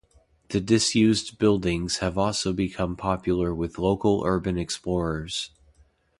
The disused buildings have also become popular with local Urban Explorers.